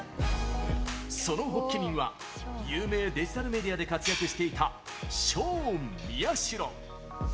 その発起人は有名デジタルメディアで活躍していたショーン・ミヤシロ。